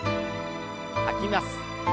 吐きます。